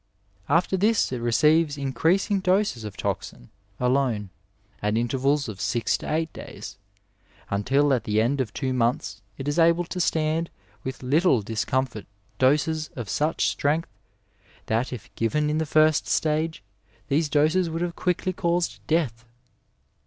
After this it receives increasing doses of toxin, alone, at intervals of six to eight days, until, at the end of two months, it is able to stand with little discomfort doses of such strength that if given in the first stage these doses would have quickly caused death.